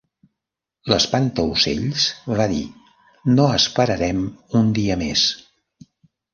L'espantaocells va dir "No esperarem un dia més".